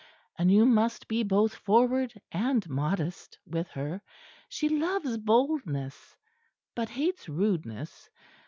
And you must be both forward and modest with her. She loves boldness, but hates rudeness.